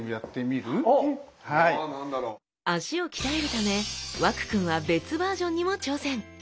脚を鍛えるため和空くんは別バージョンにも挑戦！